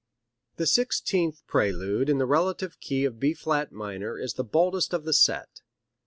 The sixteenth prelude in the relative key of B flat minor is the boldest of the set.